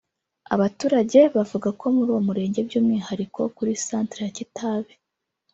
Abaturage bavuga ko muri uwo murenge by’umwihariko kuri ‘Centre’ ya Kitabi